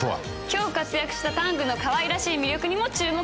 今日活躍したタングのかわいらしい魅力にも注目です。